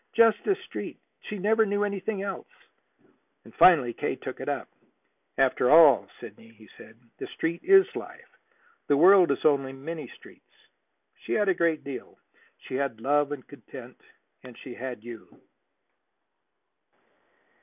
Just this Street. She never knew anything else." And finally K. took it up. "After all, Sidney," he said, "the Street IS life: the world is only many streets. She had a great deal. She had love and content, and she had you."